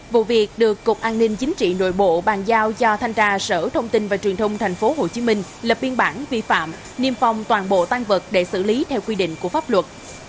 vụ việc được cục an ninh chính trị nội bộ bàn giao do thanh tra sở thông tin và truyền thông thành phố hồ chí minh lập biên bản vi phạm niêm phong toàn bộ tăng vật để xử lý theo quy định của pháp luật